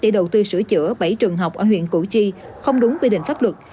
để đầu tư sửa chữa bảy trường học ở huyện củ chi không đúng quy định pháp luật